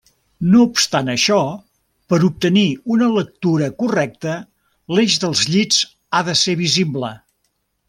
No obstant això, per obtenir una lectura correcta, l'eix dels llits ha de ser visible.